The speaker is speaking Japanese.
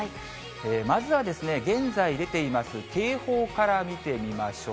まずはですね、現在出ています警報から見てみましょう。